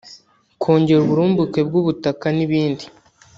kongera uburumbuke bw’ubutaka n’ibindi